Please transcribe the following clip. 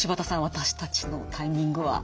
私たちのタイミングは。